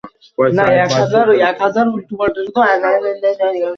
তারা খুব ভাগ্যবান হতো।